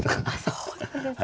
そうなんですね。